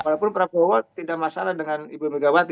walaupun prabowo tidak masalah dengan ibu megawati